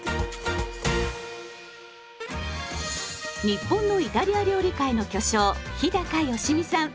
日本のイタリア料理界の巨匠日良実さん。